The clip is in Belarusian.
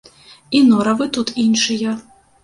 І норавы тут іншыя.